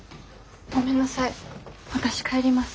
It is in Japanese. ごめんなさい私帰ります。